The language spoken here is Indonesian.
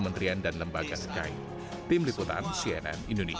terima kasih mas alvin